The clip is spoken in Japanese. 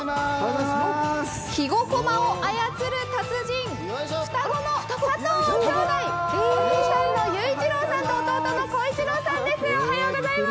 肥後こまを操る達人双子の佐藤兄弟佐藤雄一郎さんと弟の興一郎さんです。